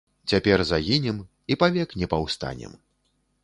Цяпер загінем і павек не паўстанем.